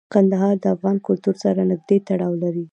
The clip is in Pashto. کندهار د افغان کلتور سره نږدې تړاو لري.